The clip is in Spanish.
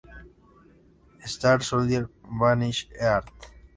Star Soldier: Vanishing Earth